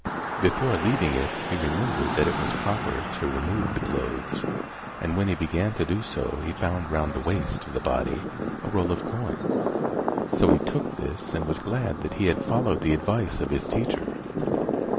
Before leaving it he remembered that it was proper to remove the clothes, and when he began to do so he found round the waist of the body a roll of coin; so he took this and was glad that he had followed the advice of his teacher.